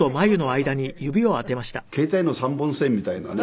携帯の３本線みたいなね。